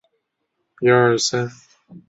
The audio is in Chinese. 中原氏鬼督邮为菊科鬼督邮属下的一个种。